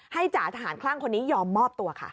จ่าทหารคลั่งคนนี้ยอมมอบตัวค่ะ